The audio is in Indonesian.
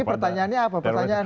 ini pertanyaannya apa